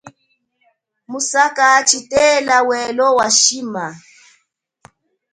Musaka tshitela welo wa shima.